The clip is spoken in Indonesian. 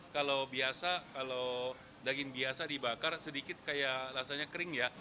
kalau biasa kalau daging biasa dibakar sedikit kayak rasanya kering ya